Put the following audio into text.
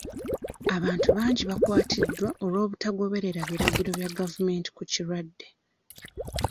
Abantu bangi bakwatiddwa olw'obutagoberera biragiro bya gavumenti ku kirwadde.